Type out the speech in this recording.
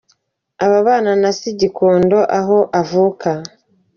Abana na se i Gikondo, aho avuka.